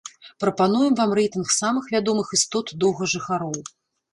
Прапануем вам рэйтынг самых вядомых істот-доўгажыхароў.